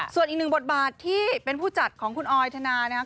ส่วนอีกหนึ่งบทบาทที่เป็นผู้จัดของคุณออยธนานะครับ